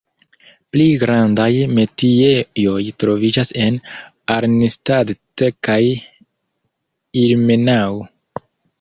Pli grandaj metiejoj troviĝas en Arnstadt kaj Ilmenau.